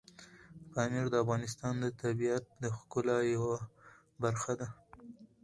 پامیر د افغانستان د طبیعت د ښکلا یوه برخه ده.